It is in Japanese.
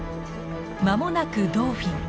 間もなくドーフィン。